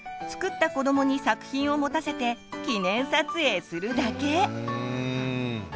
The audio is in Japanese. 作った子どもに作品を持たせて記念撮影するだけ！